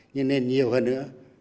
nhưng nên nhiều hơn nữa